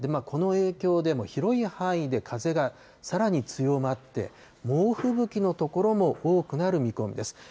この影響でも広い範囲で風がさらに強まって、猛吹雪の所も多くなる見込みです。